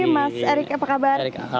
mas erik apa kabar